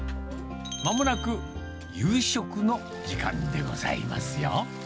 まもなく夕食の時間でございますよ。